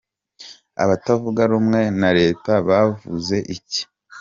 Abatavuga rumwe na reta bavuga iki?.